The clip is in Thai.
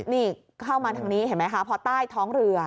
นี่เข้ามาทางนี้เห็นไหมคะพอใต้ท้องเรือ